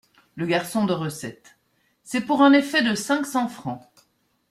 Le garçon de recette. — C’est pour un effet de cinq cents francs.